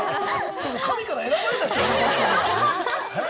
神から選ばれた人。